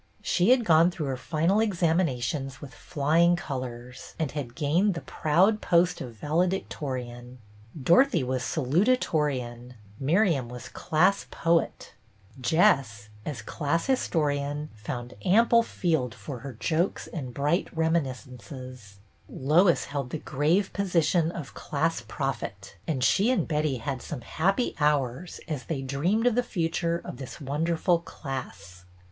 She had gone through her final ex aminations with flying colors, and had gained the proud post of Valedictorian ; Dorothy was Salutatorian ; Miriam was Class Poet ; Jess, as Class Historian, found ample field for her jokes and bright reminiscences ; Lois held the grave position of Class Prophet, and she and Betty had some happy hours as they dreamed of the future of this wonderful class.